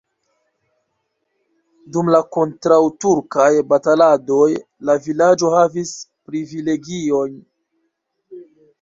Dum la kontraŭturkaj bataladoj la vilaĝo havis privilegiojn.